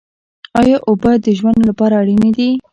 ایا اوبه د ژوند لپاره اړینې دي؟